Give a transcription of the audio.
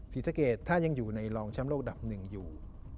สีสะเกียจถ้ายังอยู่ในรองแชมป์โลกดับ๑อยู่